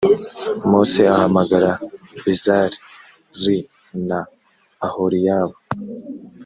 mose ahamagara besal li na oholiyabu